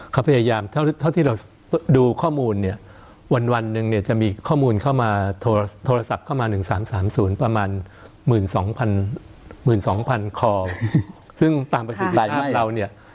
เขาพยายามเท่าที่เราดูข้อมูลเนี่ยวันหนึ่งเนี่ยจะมีข้อมูลเข้ามาโทรศัพท์เข้ามา๑๓๓๐ประมาณ๑๒๐๐๐คอลซึ่งตามประสิทธิ์ลายของเราเนี่ย